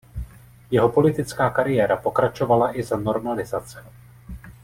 Jeho politická kariéra pokračovala i za normalizace.